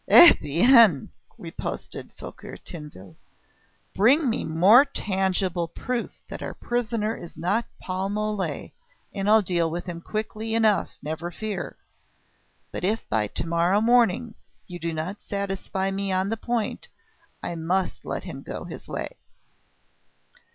"EH BIEN!" riposted Fouquier Tinville. "Bring me more tangible proof that our prisoner is not Paul Mole and I'll deal with him quickly enough, never fear. But if by to morrow morning you do not satisfy me on the point ... I must let him go his way."